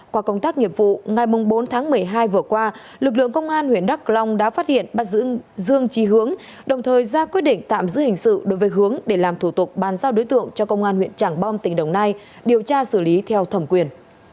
qua công tác nghiệp vụ ngày bốn tháng một mươi hai vừa qua lực lượng công an huyện đắk long đã phát hiện bắt giữ dương trí hướng đồng thời ra quyết định tạm giữ hình sự đối với hướng để làm thủ tục bàn giao đối tượng cho công an huyện trảng bom tỉnh đồng nai điều tra xử lý theo thẩm quyền